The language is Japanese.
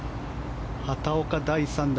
畑岡、第３打。